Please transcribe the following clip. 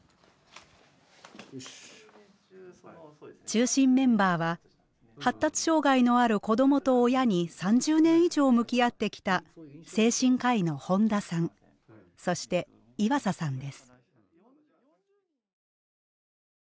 中心メンバーは発達障害のある子どもと親に３０年以上向き合ってきた精神科医の本田さんそして岩佐さんです。